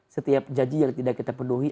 setiap janji yang tidak kita penuhi